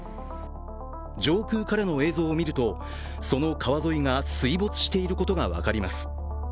上空からの映像を見るとその川沿いが水没していることが分かります。